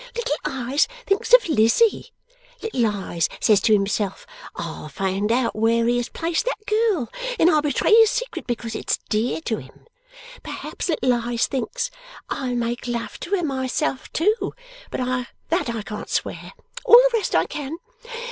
Little Eyes thinks of Lizzie. Little Eyes says to himself, "I'll find out where he has placed that girl, and I'll betray his secret because it's dear to him." Perhaps Little Eyes thinks, "I'll make love to her myself too;" but that I can't swear all the rest I can.